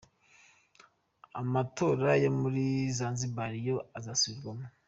Amatora yo muri Zanzibar yo azasubirwamo.